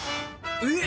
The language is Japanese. えっ！